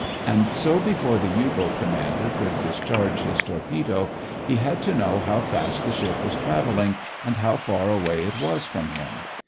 And so before the U boat commander could discharge his torpedo, he had to know how fast the ship was traveling and how far away it was from him.